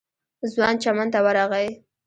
ځوان چمن ته ورغی.